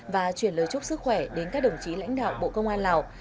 và chuyển lời chúc sức khỏe đến các đồng chí lãnh đạo bộ công an lào